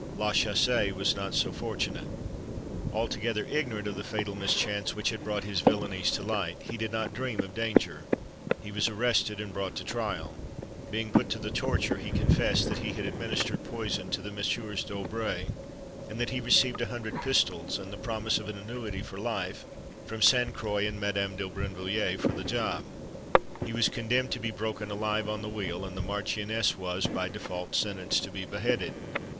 La Chaussée was not so fortunate. Altogether ignorant of the fatal mischance which had brought his villanies to light, he did not dream of danger. He was arrested and brought to trial: being put to the torture, he confessed that he had administered poison to the Messieurs d'Aubray, and that he had received a hundred pistoles, and the promise of an annuity for life, from Sainte Croix and Madame de Brinvilliers, for the job. He was condemned to be broken alive on the wheel, and the marchioness was, by default, sentenced to be beheaded.